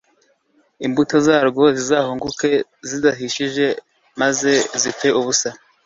imbuto zarwo zizahunguke zidahishije, maze zipfe ubusa